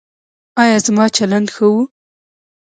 ایا زما چلند ښه و؟